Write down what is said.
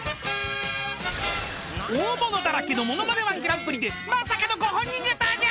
［大物だらけのＭＯＮＯＭＡＮＥ−１グランプリでまさかのご本人が登場！］